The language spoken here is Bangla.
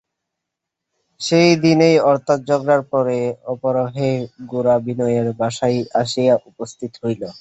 সেই দিনই অর্থাৎ ঝগড়ার পরদিন অপরাহ্নে গোরা বিনয়ের বাসায় আসিয়া উপস্থিত হইল।